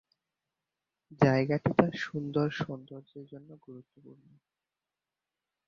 জায়গাটি তার সুন্দর সৌন্দর্যের জন্য গুরুত্বপূর্ণ।